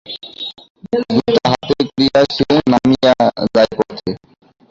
জুতা হাতে করিয়া সে নামিয়া যায় পথে।